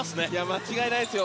間違いないですよ。